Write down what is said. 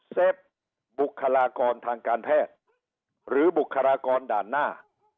เฟฟบุคลากรทางการแพทย์หรือบุคลากรด่านหน้า